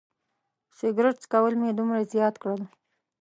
سګرټ څکول مې دومره زیات کړل.